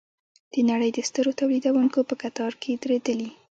د نړۍ د سترو تولیدوونکو په کتار کې دریدلي.